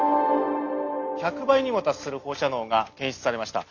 １００倍にも達する放射能が検出されました。